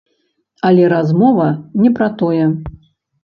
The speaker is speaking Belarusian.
Але размова не пра тое.